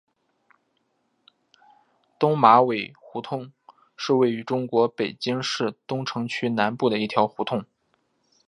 东马尾帽胡同是位于中国北京市东城区南部的一条胡同。